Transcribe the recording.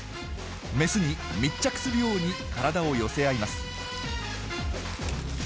メスに密着するように体を寄せ合います。